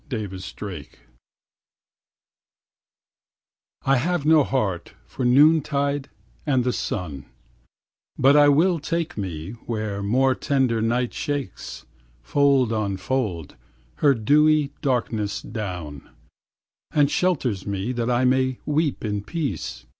83 THE MOURNER I have no heart for noon tide and the sun, But I will take me where more tender night Shakes, fold on fold, her dewy darkness down, And shelters me that I may weep in peace.